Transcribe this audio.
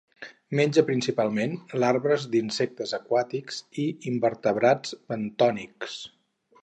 Menja principalment larves d'insectes aquàtics i invertebrats bentònics.